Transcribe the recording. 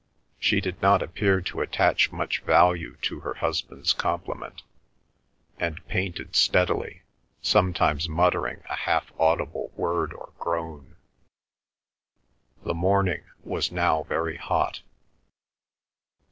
She did not appear to attach much value to her husband's compliment, and painted steadily, sometimes muttering a half audible word or groan. The morning was now very hot.